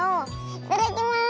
いただきます！